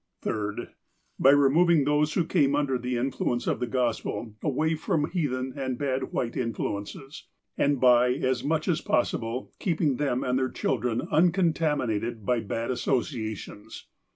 "Third : By removing those who came under the in fluence of the Gospel away from heathen and bad white influences, and by, as much as possible, keeping them and their children uucontaminated by bad associations."